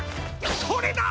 それだ！